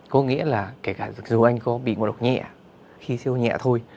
có nghĩa là kể cả dù anh có bị nguồn độc nhẹ khí siêu nhẹ thôi